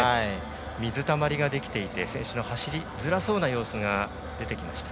水たまりができていて選手の走り、つらそうな様子が出てきました。